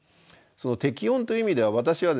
適温という意味では私はですね